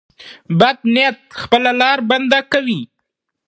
بد نیت خپله لار بنده کوي.